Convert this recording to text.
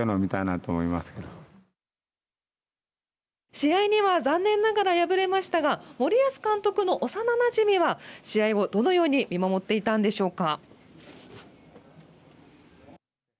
試合には残念ながら敗れましたが森保監督の幼なじみは試合をどのように見守っていたんでしょうか。